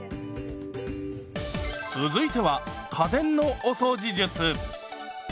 続いては家電のお掃除術。